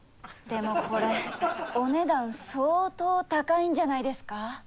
でもこれお値段相当高いんじゃないですか？